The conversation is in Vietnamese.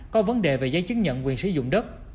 có vấn đề về giấy chứng nhận quyền sử dụng đất